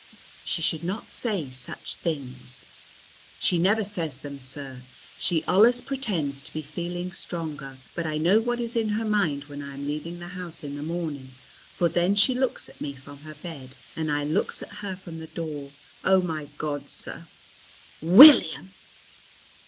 "She should not say such things." "She never says them, sir. She allus pretends to be feeling stronger. But I knows what is in her mind when I am leaving the house in the morning, for then she looks at me from her bed, and I looks at her from the door oh, my God, sir!" "William!"